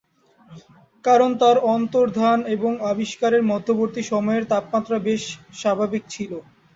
কারণ তার অন্তর্ধান এবং আবিষ্কারের মধ্যবর্তী সময়ের তাপমাত্রা বেশ স্বাভাবিক ছিল।